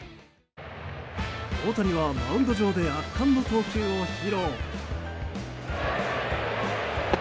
大谷はマウンド上で圧巻の投球を披露。